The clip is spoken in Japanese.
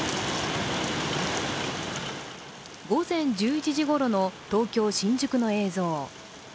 午前１１時ごろの東京・新宿の映像。